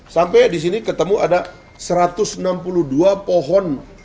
sampai di sini ketemu ada satu ratus enam puluh dua pohon